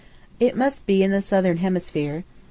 It must be in the southern hemisphere.